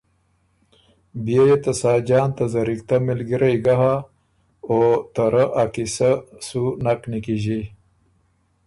بيې يې ته ساجان ته زرِکتۀ مِلګِرئ ګه هۀ او ته رۀ ا قیصۀ سُو نک نیکیݫی۔